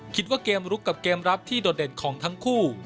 คิดว่าเกมลุกกับเกมรับที่โดดเด่นของทั้งคู่